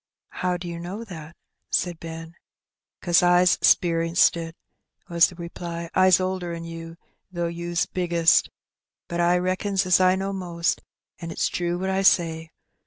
''How do you know that?" said Benny. "'Cause I's 'sperienced it," was the reply. ''I*s older 'n you, though you's biggest; but I reckons as I knows most, an it's true what I say.